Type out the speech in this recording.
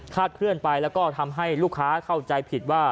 เคลื่อนไปแล้วก็ทำให้ลูกค้าเข้าใจผิดว่า